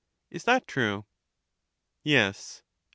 Is that true? Yes.